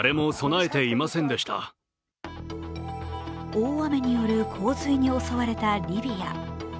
大雨による洪水に襲われたリビア。